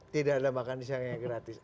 tidak ada makan siang yang gratis